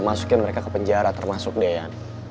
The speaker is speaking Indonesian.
masukin mereka ke penjara termasuk dean